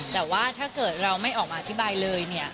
แต่ว่าถ้าเกิดเราไม่ออกมาอธิบายเลยเนี่ย